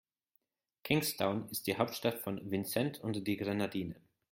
Kingstown ist die Hauptstadt von St. Vincent und die Grenadinen.